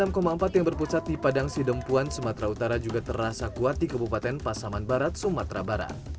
enam empat yang berpusat di padang sidempuan sumatera utara juga terasa kuat di kabupaten pasaman barat sumatera barat